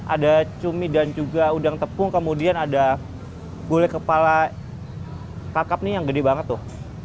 ada cumi dan juga udang tepung kemudian ada gulai kepala kakap nih yang gede banget tuh